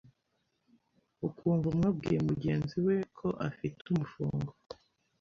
ukumva umwe abwiye mugenzi we ko afite ‘umufungo’